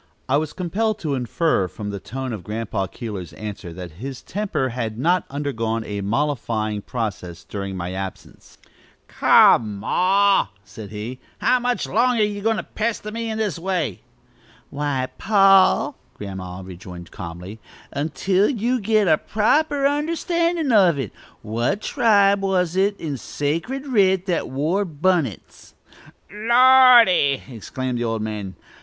I was compelled to infer from the tone of Grandpa Keeler's answer that his temper had not undergone a mollifying process during my absence. "Come, ma," said he; "how much longer ye goin' to pester me in this way?" "Why, pa," Grandma rejoined calmly; "until you git a proper understandin' of it. What tribe was it in sacred writ that wore bunnits?" "Lordy!" exclaimed the old man.